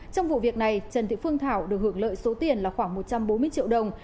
trong vụ việc này trần thị phương thảo được hưởng lợi số tiền là khoảng một trăm bốn mươi triệu đồng